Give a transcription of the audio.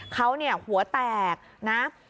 เขาเนี่ยหัวแตกนะ